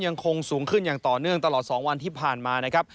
ยังคงสูงขึ้นอย่างต่อเนื่องตลอด๒วันที่ผ่านมานะครับ